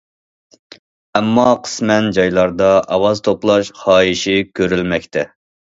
ئەمما قىسمەن جايلاردا ئاۋاز توپلاش خاھىشى كۆرۈلمەكتە.